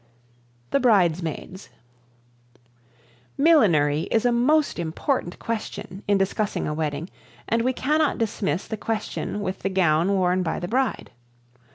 The Bridesmaids. Millinery is a most important question in discussing a wedding, and we cannot dismiss the question with the gown worn by the bride.